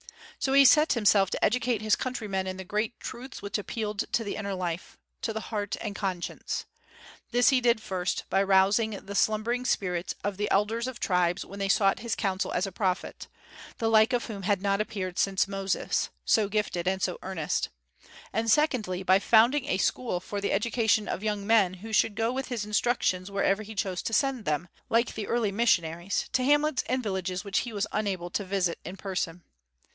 So he set himself to educate his countrymen in the great truths which appealed to the inner life, to the heart and conscience. This he did, first, by rousing the slumbering spirits of the elders of tribes when they sought his counsel as a prophet, the like of whom had not appeared since Moses, so gifted and so earnest; and secondly, by founding a school for the education of young men who should go with his instructions wherever he chose to send them, like the early missionaries, to hamlets and villages which he was unable to visit in person.